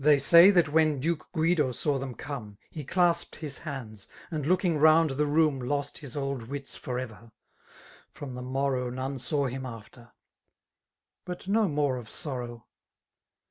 They say that when Duke Guido saw them come^ He clasped his haifds^ and looking round the rooui^ Lost his old wits for ever. From the morrow None saw him after. But no more of sorrow.